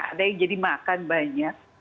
ada yang jadi makan banyak